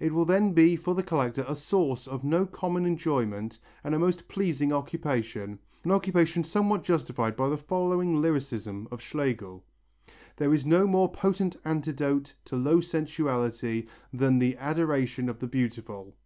It will then be for the collector a source of no common enjoyment and a most pleasing occupation, an occupation somewhat justifying the following lyricism of Schlegel: "There is no more potent antidote to low sensuality than the adoration of the beautiful.